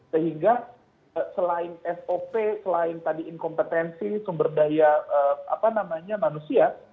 sehingga selain sop selain tadi inkompetensi sumber daya manusia